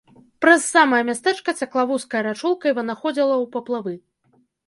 Праз самае мястэчка цякла вузкая рачулка і вынаходзіла ў паплавы.